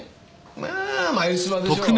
まあマユツバでしょう。